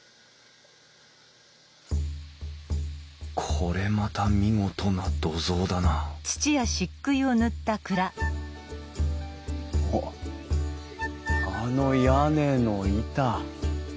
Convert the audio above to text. これまた見事な土蔵だなおっあの屋根の板。